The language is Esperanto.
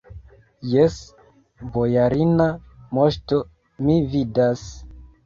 Jes, bojarina moŝto, mi vidas.